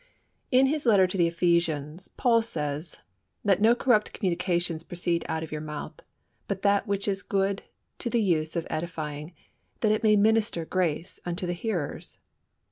In his letters to the Ephesians, Paul says, "Let no corrupt communication proceed out of your mouth, but that which is good to the use of edifying, that it may minister grace unto the hearers."